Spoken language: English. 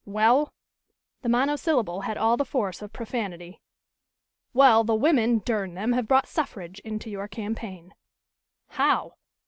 "Well?" the monosyllable had all the force of profanity. "Well, the women, durn them, have brought suffrage into your campaign." "How?"